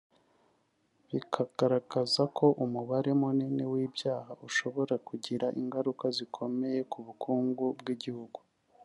bikagaragaza ko umubare munini w’ibyaha ushobora kugira ingaruka zikomeye ku bukungu bw’igihugu